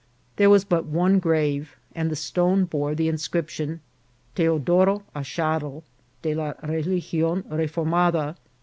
There was but one grave, and the stone bore Ihe inscription Teodoro Ashadl, de la Religione Reformada.